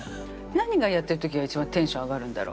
何やってる時が一番テンション上がるんだろう？